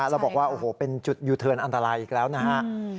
แล้วบอกว่าโอ้โหเป็นจุดยูเทิร์นอันตรายอีกแล้วนะฮะ